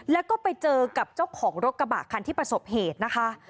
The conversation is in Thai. แล้วก็ไปเจอกับเจ้าของรถกระบะคันที่ประสบเหตุนะคะ